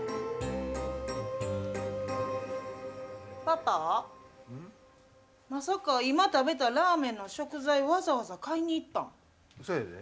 パパ、まさか今食べたラーメンの食材、わざわざ買いに行ったそうやで。